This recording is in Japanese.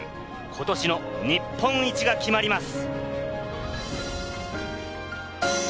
ことしの日本一が決まります。